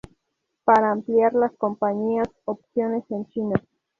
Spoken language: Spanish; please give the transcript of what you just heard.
Para ampliar las compañías' opciones en China.